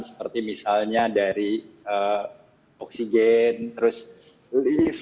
seperti misalnya dari oksigen terus lift